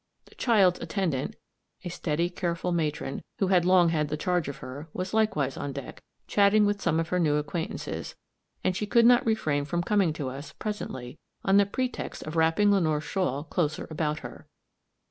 The child's attendant, a steady, careful matron, who had long had the charge of her, was likewise on deck, chatting with some of her new acquaintances, and she could not refrain from coming to us, presently, on the pretext of wrapping Lenore's shawl closer about her.